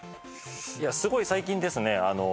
すごい最近ですね